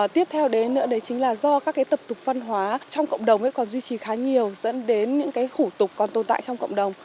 tiếp theo đến nữa đấy chính là do các cái tập tục văn hóa trong cộng đồng ấy còn duy trì khá nhiều dẫn đến những cái khủ tục còn tồn tại trong cộng đồng